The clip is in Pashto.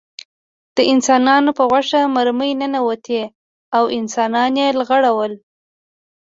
د انسانانو په غوښه مرمۍ ننوتې او انسانان یې لغړول